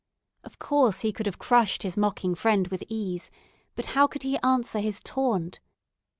Of course he could have crushed his mocking friend with ease, but how could he answer his taunt.